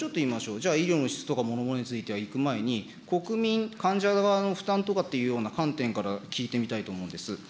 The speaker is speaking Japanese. じゃあ、医療の質とかに行く前に国民、患者側の負担とかっていう観点から聞いてみたいと思うんです。